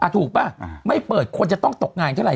ถูกป่ะไม่เปิดควรจะต้องตกงานเท่าไห